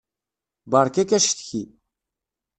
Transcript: Beṛka-k acetki.